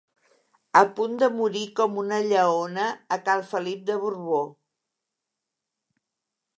A punt de morir com una lleona a cal Felip de Borbó.